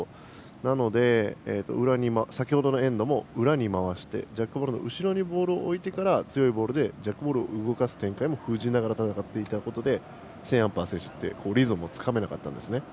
なので先ほどのエンドも裏に回してジャックボールの後ろにボールを置いてから強いボールでジャックボールを動かす展開を封じながら戦っていたことでセーンアンパー選手リズムをつかめなかったんですね。